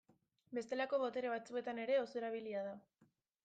Bestelako botere batzuetan ere oso erabilia da.